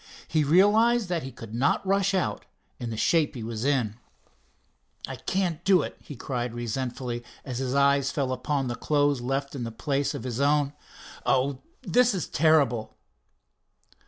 He realized that he could not rush out in the shape he was in. "I can't do it!" he cried resentfully, as his eyes fell upon the clothes left in place of his own. "Oh, this is terrible!"